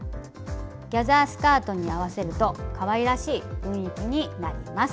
ギャザースカートに合わせるとかわいらしい雰囲気になります。